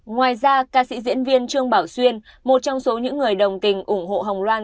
ngoài ra ca sĩ diễn viên trương bảo xuyên một trong số những người đồng tình ủng hộ hồng loan